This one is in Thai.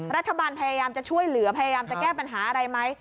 รัฐบาลพยายามจะช่วยเหลือพยายามจะแก้ปัญหาอะไรไหม